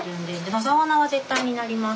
野沢菜は絶対になります。